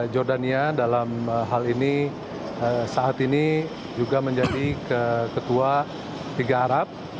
jordania dalam hal ini saat ini juga menjadi ketua liga arab